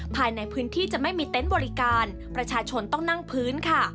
ภายในพื้นที่จะไม่มีเต็นต์บริการประชาชนต้องนั่งพื้นค่ะ